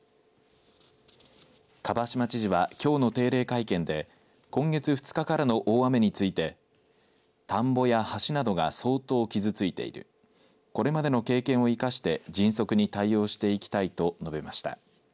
蒲島知事は、きょうの定例会見で今月２日からの大雨について田んぼや橋などが相当傷ついているこれまでの経験を生かして迅速に対応していきたいと述べました。